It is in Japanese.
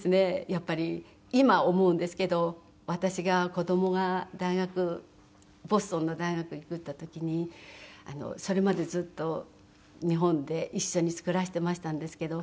やっぱり今思うんですけど私が子供が大学「ボストンの大学に行く」って言った時にそれまでずっと日本で一緒に暮らしていましたんですけど。